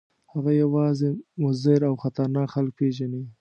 هغه یوازې مضر او خطرناک خلک پېژني.